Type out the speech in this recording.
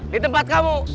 di tempat kamu